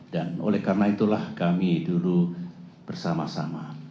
dan oleh karena itulah kami dulu bersama sama